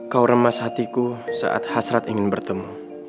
kau remas hatiku saat hasrat ingin bertemu